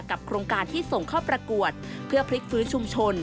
โครงการที่ส่งเข้าประกวดเพื่อพลิกฟื้นชุมชน